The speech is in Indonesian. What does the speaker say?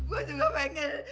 gue juga pengen